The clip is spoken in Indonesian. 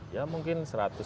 ya mungkin satu ratus lima